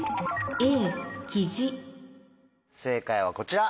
正解はこちら。